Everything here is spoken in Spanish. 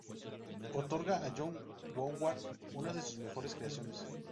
Otorga a Joanne Woodward una de sus mejores creaciones.